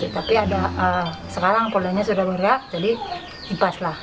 tapi sekarang polanya sudah bergerak jadi dipas lah